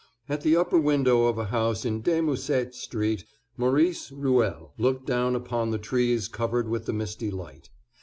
At the upper window of a house in De Musset Street, Maurice Ruelle looked down upon the trees covered with the misty light.